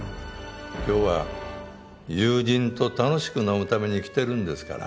今日は友人と楽しく飲むために来てるんですから。